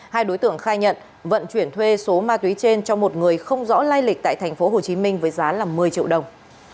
hai đối tượng khai nhận vận chuyển thuê số ma túy trên cho một người không rõ lai lịch tại thành phố hồ chí minh với giá một mươi triệu đồng